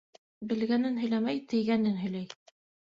Белгәнен һөйләмәй, тейгәнен һөйләй.